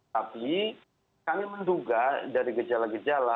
tapi kami menduga dari gejala gejala